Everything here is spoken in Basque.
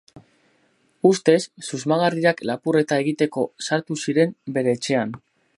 Ustez, susmagarriak lapurreta egiteko sartu ziren bere etxean.